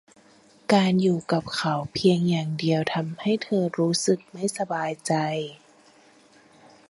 การอยู่กับเขาเพียงอย่างเดียวทำให้เธอรู้สึกไม่สบายใจ